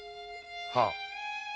はあ。